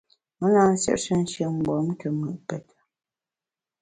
Me na nsiêpshe nshin-mgbom te mùt pète.